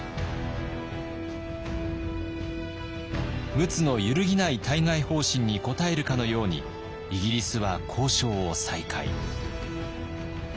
陸奥の揺るぎない対外方針に応えるかのようにイギリスは交渉を再開。